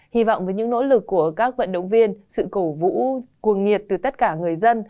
hy vọng với những nỗ lực của các vận động viên sự cổ vũ cuồng nhiệt từ tất cả người dân